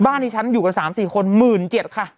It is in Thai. บ้านที่ฉันอยู่กับ๓๔คน๑๗๐๐๐ค่ะ